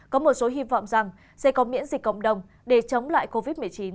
có một số hy vọng rằng sẽ có miễn dịch cộng đồng để chống lại covid một mươi chín